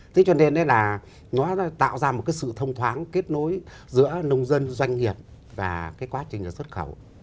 thế cho nên là nó tạo ra một cái sự thông thoáng kết nối giữa nông dân doanh nghiệp và cái quá trình xuất khẩu